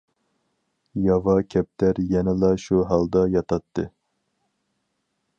ياۋا كەپتەر يەنىلا شۇ ھالدا ياتاتتى.